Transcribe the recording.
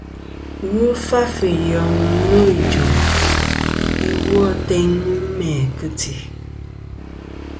Ghɨ fàf ɨnyoŋ nô ɨnjɨm iwo ateyni mæ kɨ tî.